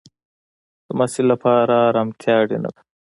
د محصل لپاره ارامتیا اړینه ده.